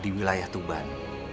di wilayah tuban